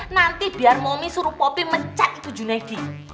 nanti biar momi suruh poppy mecat itu juneidi